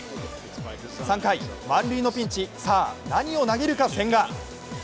３回、満塁のピンチ、さぁ、何を投げるか千賀。